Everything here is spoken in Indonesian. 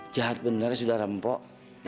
jahat bener ya saudara mpok